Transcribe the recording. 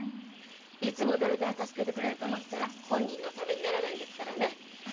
いつも誰かが助けてくれると思ったら本人のためにならないんですからね。